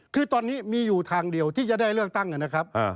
คือตอนนี้มีอยู่ทางเดียวที่จะได้เลือกตั้งนะครับ